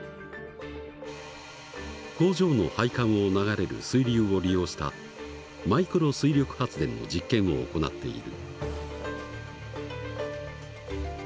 工場の配管を流れる水流を利用したマイクロ水力発電の実験を行っている。